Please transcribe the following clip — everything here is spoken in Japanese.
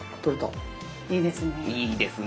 いいですね。